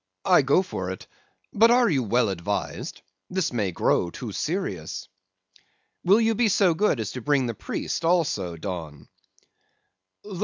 I go for it; but are you well advised? this may grow too serious.' "'Will you be so good as to bring the priest also, Don?